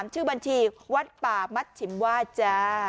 ชื่อบัญชีวัดป่ามัดฉิมว่าจ้า